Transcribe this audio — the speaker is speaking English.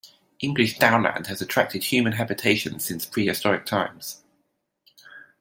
English downland has attracted human habitation since prehistoric times.